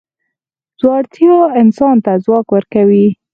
زړورتیا انسان ته ځواک ورکوي.